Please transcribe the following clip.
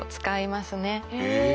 へえ。